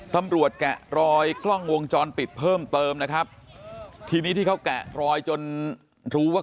แกะรอยกล้องวงจรปิดเพิ่มเติมนะครับทีนี้ที่เขาแกะรอยจนรู้ว่า